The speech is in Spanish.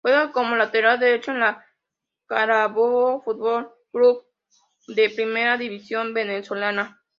Juega como Lateral derecho en el Carabobo Futbol Club, de la Primera División Venezolana.